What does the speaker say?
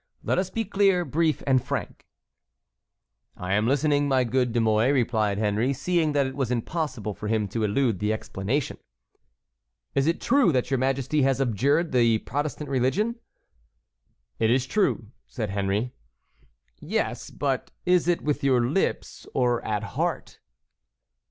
Let us be clear, brief, and frank." "I am listening, my good De Mouy," replied Henry, seeing that it was impossible for him to elude the explanation. "Is it true that your majesty has abjured the Protestant religion?" "It is true," said Henry. "Yes, but is it with your lips or at heart?"